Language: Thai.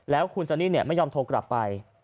แล้วคุณซันนี่ไม่ยอมโทรกลับไป